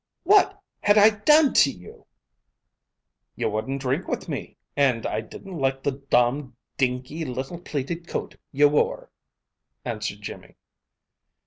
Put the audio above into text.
What had I done to you?" "You wouldn't drink with me, and I didn't like the domned, dinky, little pleated coat you wore," answered Jimmy.